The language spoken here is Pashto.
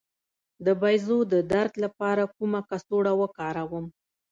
د بیضو د درد لپاره کومه کڅوړه وکاروم؟